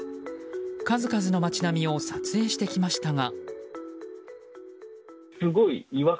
数々の街並みを撮影してきましたが。